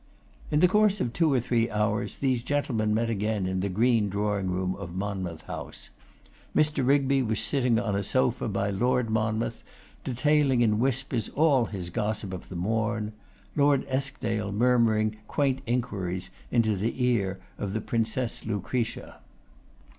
In the course of two or three hours these gentlemen met again in the green drawing room of Monmouth House. Mr. Rigby was sitting on a sofa by Lord Monmouth, detailing in whispers all his gossip of the morn: Lord Eskdale murmuring quaint inquiries into the ear of the Princess Lucretia.